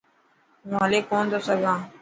هون هلي ڪون ٿو سگھان.